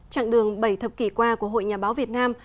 trạng đường bảy thập kỷ qua của hội nhà báo việt nam